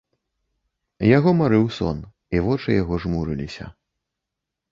Яго марыў сон, і вочы яго жмурыліся.